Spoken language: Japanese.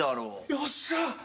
よっしゃ！